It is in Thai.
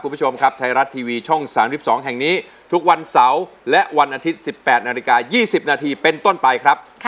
คุณผู้ชมครับไทยรัฐทีวีช่อง๓๒แห่งนี้ทุกวันเสาร์และวันอาทิตย์๑๘นาฬิกา๒๐นาทีเป็นต้นไปครับ